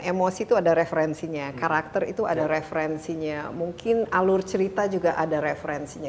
emosi itu ada referensinya karakter itu ada referensinya mungkin alur cerita juga ada referensinya